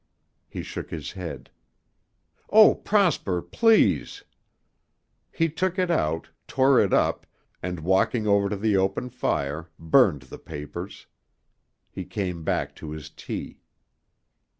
He shook his head. "Oh, Prosper, please!" He took it out, tore it up, and walking over to the open fire, burned the papers. He came back to his tea.